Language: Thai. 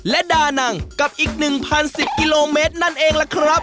และดานังกับอีก๑๐๑๐กิโลเมตรนั่นเองล่ะครับ